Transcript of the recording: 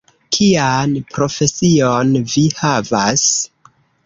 Kian profesion vi havas?